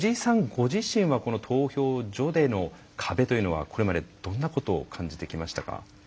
ご自身はこの投票所での壁というのはこれまで、どんなことを感じてきましたか？